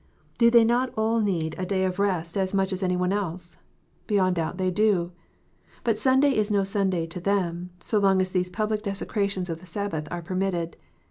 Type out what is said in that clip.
Do they not all need a day 316 KNOTS UNTIED. of rest as much as any one else ? Beyond doubt they do. But Sunday is no Sunday to them, so long as these public desecra tions of the Sabbath are permitted.